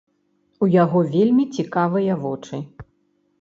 У яго вельмі цікавыя вочы.